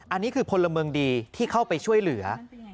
อันนี้คือพลเมืองดีที่เข้าไปช่วยเหลือ